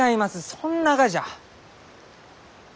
そんながじゃ！